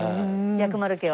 薬丸家は。